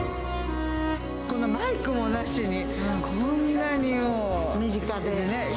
マイクもなしに、こんなにも身近でね。